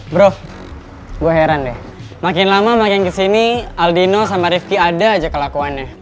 bro gue heran deh makin lama makin kesini aldino sama rifki ada aja kelakuannya